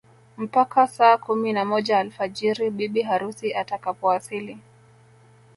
Mpaka saa kumi na moja alfajiri bibi harusi atakapowasili